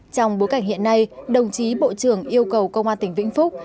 trong bối cảnh hiện nay đồng chí bộ trưởng yêu cầu công an tỉnh vĩnh phúc